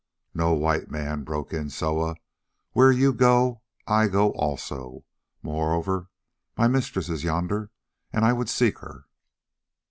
"No, White Man," broke in Soa, "where you go I go also; moreover my mistress is yonder and I would seek her."